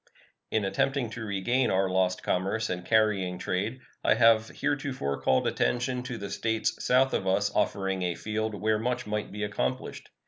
In attempting to regain our lost commerce and carrying trade I have heretofore called attention to the States south of us offering a field where much might be accomplished.